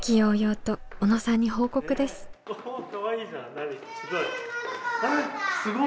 何すごい。